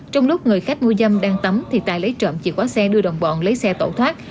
trong lúc người khách mua dâm đang tắm thì tài lấy trộm chìa khóa xe đưa đồng bọn lấy xe tẩu thoát